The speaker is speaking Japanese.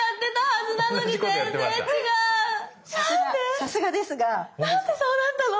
さすがですが。何でそうなったの？